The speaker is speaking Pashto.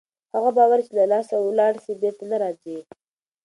هغه باور چې له لاسه ولاړ سي بېرته نه راځي.